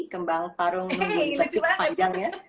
kembang parung membuli kecil panjangnya